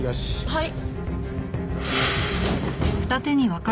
はい。